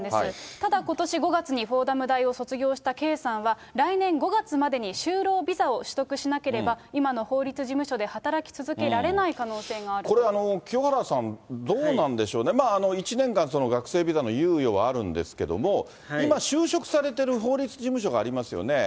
ただことし５月にフォーダム大を卒業した圭さんは、来年５月までに就労ビザを取得しなければ、今の法律事務所で働き続けられなこれ、清原さん、どうなんでしょうね、１年間、学生ビザの猶予はあるんですけども、今、就職されてる法律事務所がありますよね。